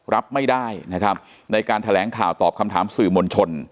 รับไม่ได้นะครับในการแถลงข่าวตอบคำถามสื่อมวลชน